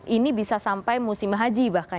ini bisa sampai musim haji bahkan